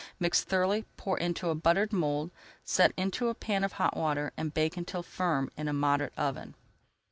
Mix thoroughly, pour into a buttered mould, set into a pan of hot water, and bake until firm in a moderate oven.